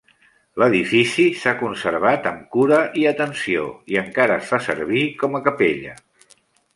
L'edifici s'ha conservat amb cura i atenció i encara es fa servir com a capella.